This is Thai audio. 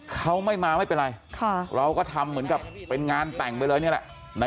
เขาไม่มาไม่เป็นไรเราก็ทำเหมือนกับเป็นงานแต่งไปเลยนี่แหละ